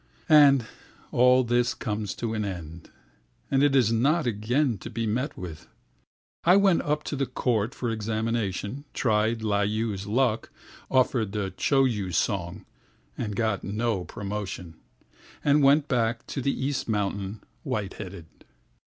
And all this comes to an end, And is not again to be met with.I went up to the court for examination, Tried Layu's luck, offered the Choyu song, And got no promotion, And went back to the East Mountains white headed.